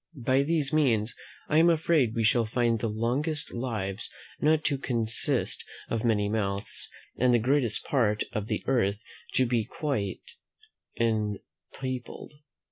By these means, I am afraid we shall find the longest lives not to consist of many months, and the greatest part of the earth to be quite unpeopled.